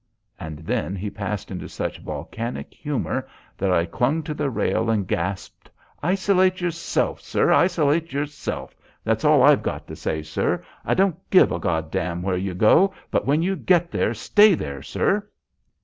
And then he passed into such volcanic humour that I clung to the rail and gasped. "Isolate yourself, sir. Isolate yourself. That's all I've got to say, sir. I don't give a God damn where you go, but when you get there, stay there, sir."